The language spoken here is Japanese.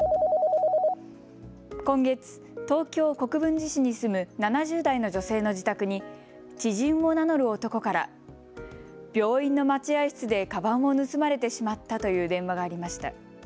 今月、東京・国分寺市に住む７０代の女性の自宅に知人を名乗る男から病院の待合室でかばんを盗まれてしまったという電話がありました。